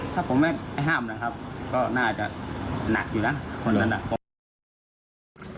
ถ้าผมไม่ห้ามนะครับก็น่าจะหนักอยู่นะวันนั้นผม